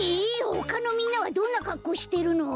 ほかのみんなはどんなかっこうしてるの？